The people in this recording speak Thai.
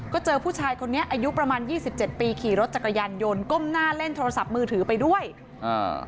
ก็เจอผู้ชายคนนี้อายุประมาณยี่สิบเจ็ดปีขี่รถจักรยานยนต์ก้มหน้าเล่นโทรศัพท์มือถือไปด้วยอ่า